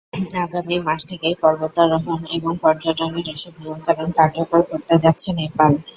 আগামী মাস থেকেই পর্বতারোহণ এবং পর্যটনের এসব নিয়ম-কানুন কার্যকর করতে যাচ্ছে নেপাল।